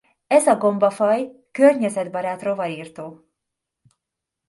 Ez a gombafaj környezetbarát rovarirtó.